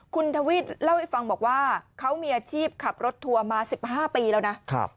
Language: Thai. คุณทวีปเล่าให้ฟังบอกว่าเขามีอาชีพขับรถทัวร์มา๑๕ปีแล้วนะ